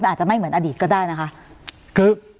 อาจจะไม่เหมือนอดีตก็ได้นะคะ